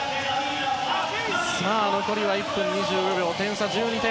さあ、残りは１分２５秒で点差は１２点。